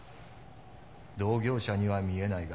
同業者には見えないが。